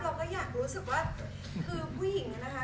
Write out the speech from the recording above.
เราก็อยากรู้สึกว่าคือผู้หญิงอะนะคะ